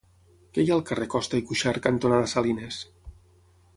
Què hi ha al carrer Costa i Cuxart cantonada Salines?